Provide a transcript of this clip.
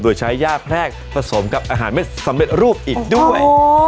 โดยใช้ย่าแพรกผสมกับอาหารไม่สำเร็จรูปอีกด้วย